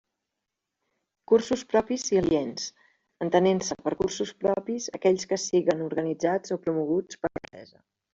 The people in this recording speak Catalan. Cursos propis i aliens, entenent-se per cursos propis aquells que siguen organitzats o promoguts per l'empresa.